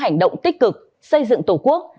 hành động tích cực xây dựng tổ quốc